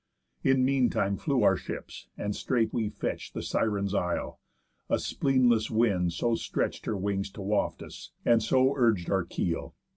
In mean time flew our ships, and straight we fetch'd The Siren's isle; a spleenless wind so stretch'd Her wings to waft us, and so urg'd our keel.